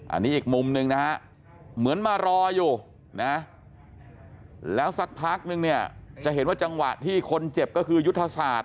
อันนี้อีกมุมหนึ่งนะฮะเหมือนมารออยู่นะแล้วสักพักนึงเนี่ยจะเห็นว่าจังหวะที่คนเจ็บก็คือยุทธศาสตร์